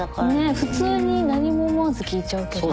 普通に何も思わず聞いちゃうけどね。